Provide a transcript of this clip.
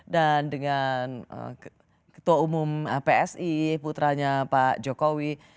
dan dengan ketua umum psi putranya pak jokowi